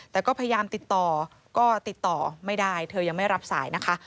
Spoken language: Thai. แต่ก็พยายามติดต่อก็ติดต่อไม่ได้เธอยังไม่รับสายนะคะ